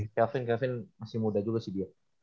kelvin kelvin masih muda dulu sih dia